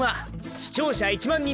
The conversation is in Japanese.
視聴者１万人